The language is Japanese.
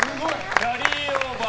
キャリーオーバー。